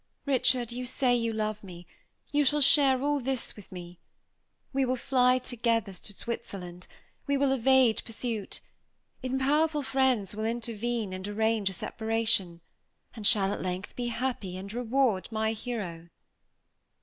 Richard, you say you love me; you shall share all this with me. We will fly together to Switzerland; we will evade pursuit; in powerful friends will intervene and arrange a separation, and shall, at length, be happy and reward my hero."